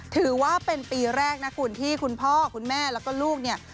ถือว่าเป็นปีแรกนะคุณที่คุณพ่อคุณแม่แล้วก็ลูกเนี่ย